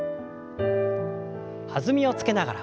弾みをつけながら。